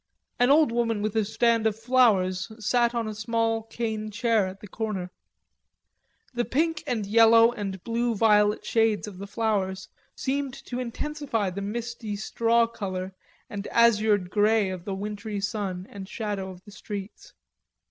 An old woman with a stand of flowers sat on a small cane chair at the corner. The pink and yellow and blue violet shades of the flowers seemed to intensify the misty straw color and azured grey of the wintry sun and shadow of the streets.